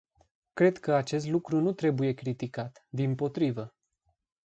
Cred că acest lucru nu trebuie criticat, dimpotrivă.